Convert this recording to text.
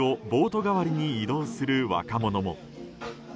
代わりに移動する若者も。